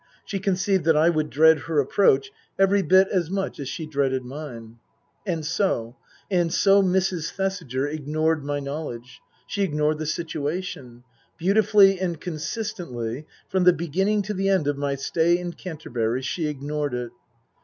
She conceived that I would dread her approach every bit as much as she dreaded mine. And so and so Mrs. Thesiger ignored my knowledge ; she ignored the situation. Beautifully and consistently, from the beginning to the end of my stay in Canterbury, she ignored it.